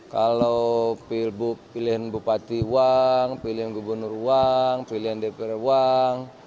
kalau pilihan bupati uang pilihan gubernur uang pilihan dpr uang